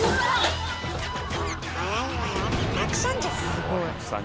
すごい。